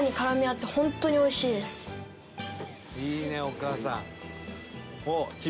「いいねお母さん」